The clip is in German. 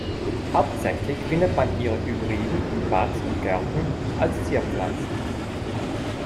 Hauptsächlich findet man ihre Hybriden in Parks und Gärten, als Zierpflanzen.